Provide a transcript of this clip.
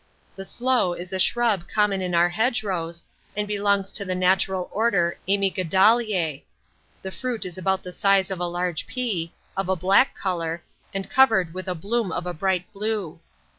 The sloe is a shrub common in our hedgerows, and belongs to the natural order Amygdaleae; the fruit is about the size of a large pea, of a black colour, and covered with a bloom of a bright blue.